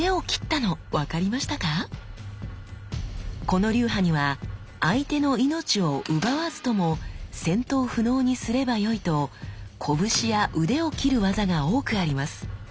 この流派には相手の命を奪わずとも戦闘不能にすればよいと拳や腕を斬る技が多くあります。